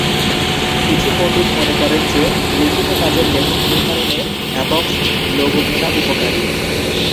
কিছু পণ্ডিত মনে করেন যে, লিখিত কাজের লেখক নির্ধারণে "হ্যাপক্স লেগোমেনা" উপকারী।